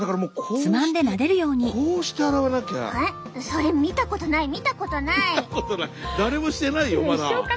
それ見たことない見たことない。